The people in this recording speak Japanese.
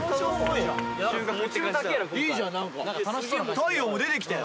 太陽も出てきたよ。